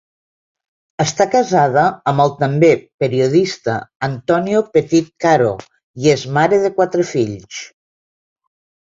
Està casada amb el també periodista Antonio Petit Caro i és mare de quatre fills.